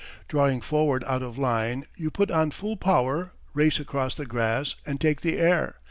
_] Drawing forward out of line, you put on full power, race across the grass, and take the air.